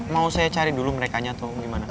mau saya cari dulu merekanya atau gimana